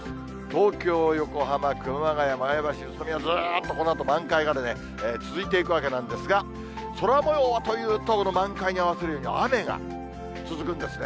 東京、横浜、熊谷、前橋、宇都宮、ずっとこのあと、満開までね、続いていくわけなんですが、空もようはというと、この満開に合わせるように、雨が続くんですね。